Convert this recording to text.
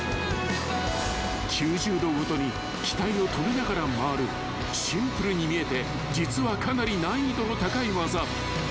［９０度ごとに機体を止めながら回るシンプルに見えて実はかなり難易度の高い技］